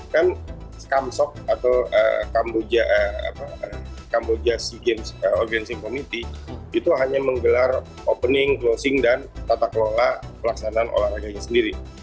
kan kamsok atau kamboja sea games organizing committee itu hanya menggelar opening closing dan tata kelola pelaksanaan olahraganya sendiri